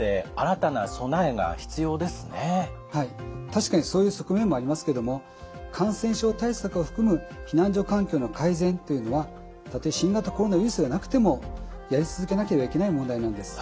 確かにそういう側面もありますけども感染症対策を含む避難所環境の改善というのはたとえ新型コロナウイルスがなくてもやり続けなければいけない問題なんです。